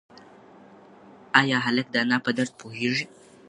ایا هلک د انا په درد پوهېږي؟